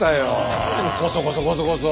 なんでコソコソコソコソ。